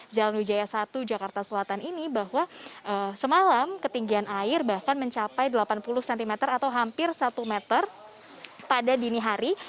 jalan wijaya satu jakarta selatan ini bahwa semalam ketinggian air bahkan mencapai delapan puluh cm atau hampir satu meter pada dini hari